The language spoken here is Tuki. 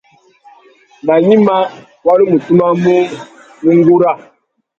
Nà gnïmá, wa nu mù tumamú nà ungura.